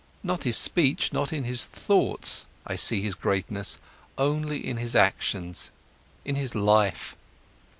Not in his speech, not in his thoughts, I see his greatness, only in his actions, in his life."